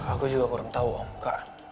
aku juga kurang tau om kak